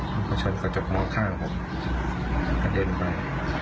มาชนกระจกมองข้างผมกระเด็นไป